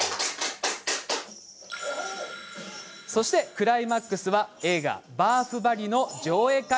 クライマックスは映画「バーフバリ」の上映会。